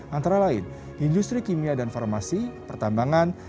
antara lain industri kimia dan farmasi pertambangan